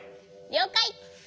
りょうかい！